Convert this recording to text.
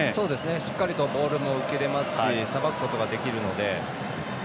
しっかりとボールも受けれますしさばくこともできるので。